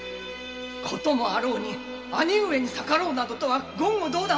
事もあろうに兄上に逆らうとは言語道断。